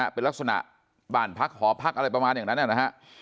เป็นลักษณะบ้านพักหอพักอะไรประมาณอย่างนั้นนะฮะ